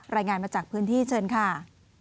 รายงานมาจากพื้นที่เชิญค่ะ